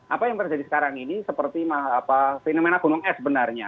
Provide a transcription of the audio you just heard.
apa yang terjadi sekarang ini seperti fenomena gunung es sebenarnya